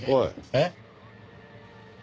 えっ？